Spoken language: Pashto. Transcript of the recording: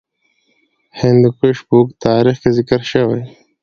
هندوکش په اوږده تاریخ کې ذکر شوی.